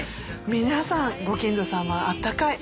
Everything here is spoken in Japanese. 皆さんご近所さんはあったかい。